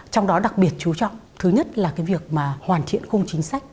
trong đó đặc biệt chú trọng thứ nhất là việc hoàn thiện khung chính sách